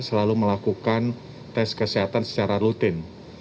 selalu melakukan tes kesehatan secara rutin